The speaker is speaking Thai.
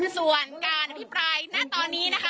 ส่วนการอภิปรายณตอนนี้นะคะ